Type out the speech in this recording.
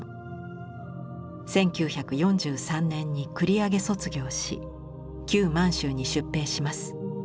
１９４３年に繰り上げ卒業し旧満州に出兵します。